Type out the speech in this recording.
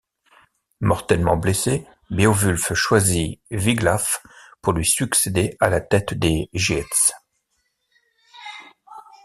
Mortellement blessé, Beowulf choisit Wiglaf pour lui succéder à la tête des Geats.